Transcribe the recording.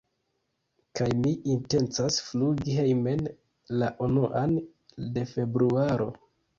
kaj ni intencas flugi hejmen la unuan de februaro.